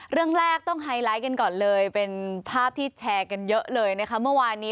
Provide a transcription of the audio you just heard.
เรื่องแรกต้องไฮไลท์กันก่อนเลยเป็นภาพที่แชร์กันเยอะเลยนะคะเมื่อวานนี้